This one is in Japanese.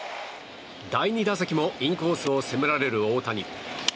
第２打席もインコースを攻められる大谷。